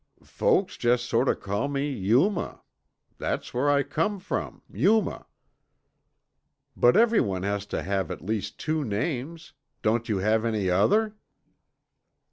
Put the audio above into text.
"Folks jest sort o' call me 'Yuma' that's where I come from, Yuma." "But everyone has to have at least two names. Don't you have any other?"